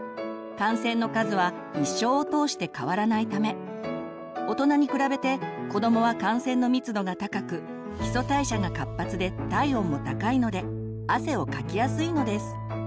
汗腺の数は一生を通して変わらないため大人に比べて子どもは汗腺の密度が高く基礎代謝が活発で体温も高いので汗をかきやすいのです。